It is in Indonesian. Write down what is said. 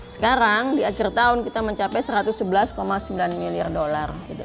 sekarang di akhir tahun kita mencapai satu ratus sebelas sembilan miliar dolar